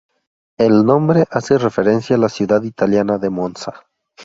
El nombre hace referencia a la ciudad italiana de Monza.